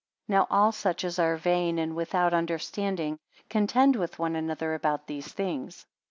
61 Now all such as are vain, and without understanding, contend with one another about these things.